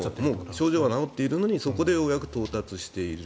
症状が治っているのにそこでようやく到達している。